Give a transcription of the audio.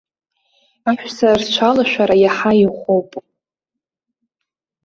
Аҳәса рцәалашәара иаҳа иӷәӷәоуп.